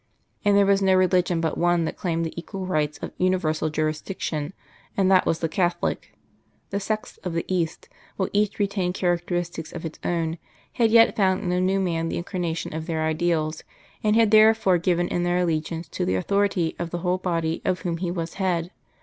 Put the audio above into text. And there was no religion but one that claimed the equal rights of universal jurisdiction and that the Catholic. The sects of the East, while each retained characteristics of its own, had yet found in the New Man the incarnation of their ideals, and had therefore given in their allegiance to the authority of the whole Body of whom He was Head.